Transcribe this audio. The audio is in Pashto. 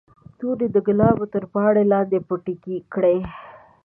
تورې د ګلابو تر پاڼو لاندې پټې کړئ.